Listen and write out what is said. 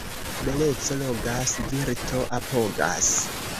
Beleco logas, virto apogas.